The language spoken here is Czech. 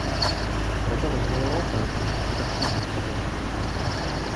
Proto rozvojovou politiku skutečně potřebujeme.